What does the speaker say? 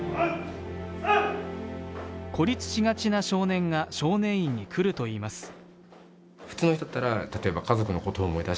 孤立しがちな少年が少年院に来るといいます。